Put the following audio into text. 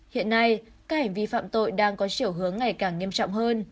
hiện nay các hành vi phạm tội đang có chiều hướng ngày càng nghiêm trọng hơn